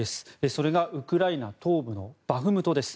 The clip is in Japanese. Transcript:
それがウクライナ東部のバフムトです。